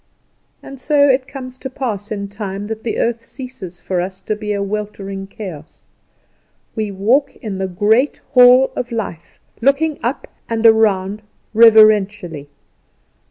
And so, it comes to pass in time, that the earth ceases for us to be a weltering chaos. We walk in the great hall of life, looking up and round reverentially.